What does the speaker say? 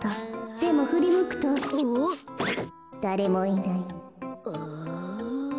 でもふりむくとだれもいない。